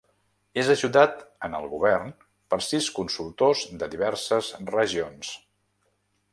És ajudat en el govern per sis consultors de diverses regions.